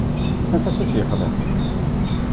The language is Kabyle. Anef-as ad t-yexdem.